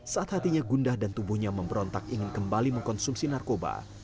saat hatinya gundah dan tubuhnya memberontak ingin kembali mengkonsumsi narkoba